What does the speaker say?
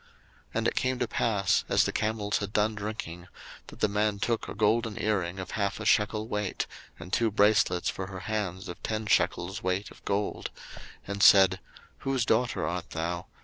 01:024:022 And it came to pass, as the camels had done drinking, that the man took a golden earring of half a shekel weight, and two bracelets for her hands of ten shekels weight of gold; 01:024:023 And said, Whose daughter art thou?